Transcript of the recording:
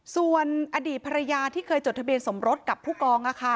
ส่วนอดีตภรรยาที่เคยจดทะเบียนสมรสกับผู้กอง